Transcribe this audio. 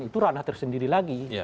itu ranah tersendiri lagi